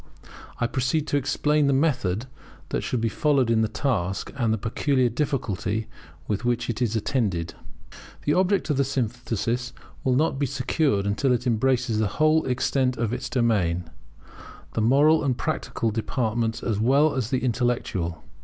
I proceed to explain the method that should be followed in the task, and the peculiar difficulty with which it is attended. The object of the synthesis will not be secured until it embraces the whole extent of its domain, the moral and practical departments as well as the intellectual.